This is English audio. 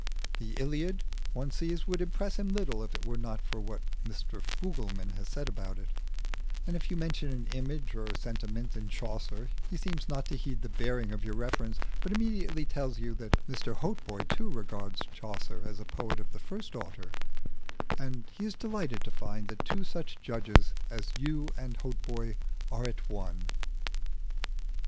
The 'Iliad,' one sees, would impress him little if it were not for what Mr Fugleman has lately said about it; and if you mention an image or sentiment in Chaucer he seems not to heed the bearing of your reference, but immediately tells you that Mr Hautboy, too, regards Chaucer as a poet of the first order, and he is delighted to find that two such judges as you and Hautboy are at one.